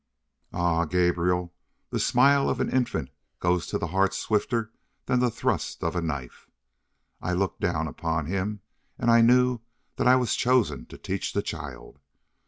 Ah, Gabrielle, the smile of an infant goes to the heart swifter than the thrust of a knife! I looked down upon him and I knew that I was chosen to teach the child.